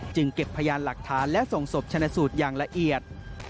เก็บพยานหลักฐานและส่งศพชนะสูตรอย่างละเอียด